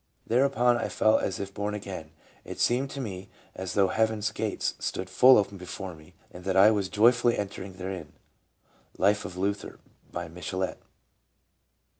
" Thereupon I felt as if born again, and it seemed to me as though heavens' gates stood full open before me, and that I was joyfully entering therein." — Life of Luther, by Michelet.